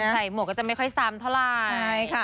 หมวกก็จะไม่ค่อยซ้ำเท่าไหร่